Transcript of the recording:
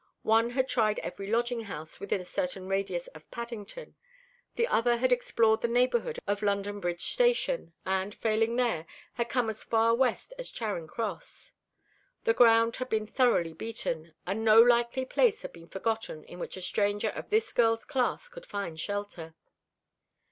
One had tried every lodging house within a certain radius of Paddington. The other had explored the neighbourhood of London Bridge Station, and failing there, had come as far west as Charing Cross. The ground had been thoroughly beaten, and no likely place had been forgotten in which a stranger of this girl's class could find shelter.